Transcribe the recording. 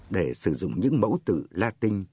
để sử dụng những mẫu từ latin